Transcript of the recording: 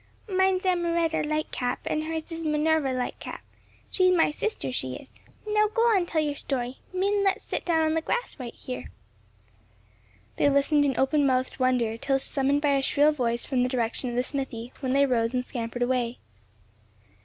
"Mine's Emmaretta Lightcap, and hers is Minerva Lightcap. She's my sister, she is. Now go on and tell your story. Min, let's set down on the grass right here." They listened in open mouthed wonder till summoned by a shrill voice from the direction of the smithy, when they rose and scampered away.